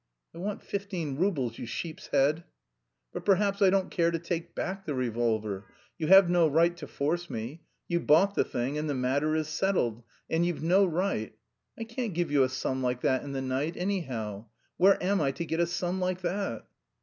"I want fifteen roubles, you sheep's head!" "But perhaps I don't care to take back the revolver. You have no right to force me. You bought the thing and the matter is settled, and you've no right.... I can't give you a sum like that in the night, anyhow. Where am I to get a sum like that?"